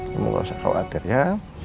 kamu gak usah khawatir ya